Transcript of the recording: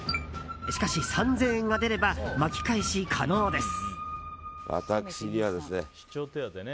しかし、３０００円が出れば巻き返し可能です。